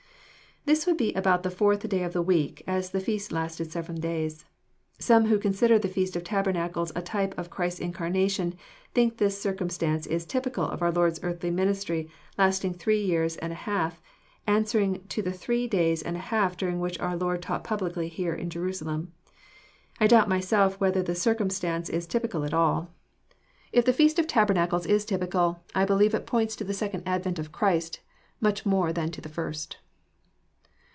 '] This would be aboat the fourth day of the week, as the feast lasted seven days. Some who consider the feast of tabernacles a type of Christ's incarnation, think this circumstance is typical of our Lord's earthly ministry lasting three years and a half, answering to the three days and a half during which our Lord taught publicly here in Jerusalem. I doubt myself whether the circ imstance is typical at all. If the 18 EXPOSITORY THOUGHIS. feast of tabernacles is typical, I believe it points to the second advent of Christ much more than to the first.